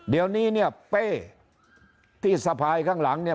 เดี๋ยวนี้เนี่ยเป้ที่สะพายข้างหลังเนี่ย